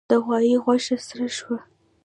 د غوايي غوښه سره شوه.